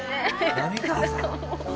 浪川さん。